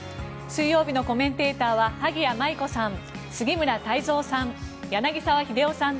水曜日のコメンテーターは萩谷麻衣子さん、杉村太蔵さん